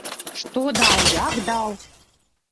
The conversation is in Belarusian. Што даў, як даў?